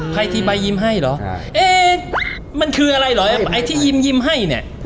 ทีใบยิ้มให้เหรอเอ๊ะมันคืออะไรเหรอไอ้ที่ยิ้มยิ้มให้เนี่ย